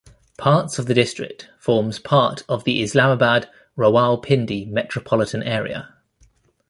Part's of the district form's part of the Islamabad Rawalpindi metropolitan area.